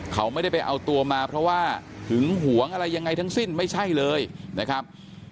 เขาไม่ได้ไปเอาตัวมาเพราะว่าหึงหวงอะไรยังไงทั้งสิ้นไม่ใช่เลยนะครับ